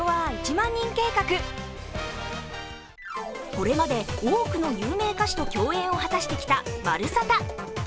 これまで多くの有名歌手と共演を果たしてきた「まるサタ」。